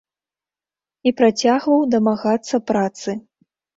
І працягваў дамагацца працы.